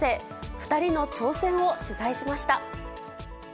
２人の挑戦を取材しました。